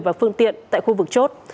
và phương tiện tại khu vực chốt